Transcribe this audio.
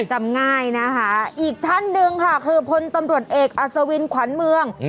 จำง่ายนะคะอีกท่านหนึ่งค่ะคือพลตำรวจเอกอัศวินขวัญเมือง